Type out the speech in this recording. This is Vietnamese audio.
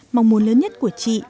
mong muốn lớn nhất của chị